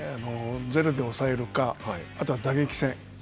ゼロで抑えるかあとは打撃戦。